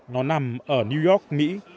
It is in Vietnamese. nó nằm ở new york mỹ